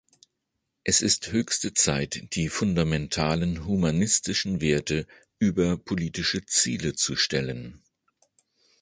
Es ist höchste Zeit, die fundamentalen humanistischen Werte über politische Ziele zu stellen.